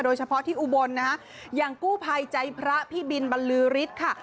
โดยเฉพาะที่อุบลนะฮะอย่างกู้ภัยใจพระพี่บินบรรลือฤทธิ์ค่ะ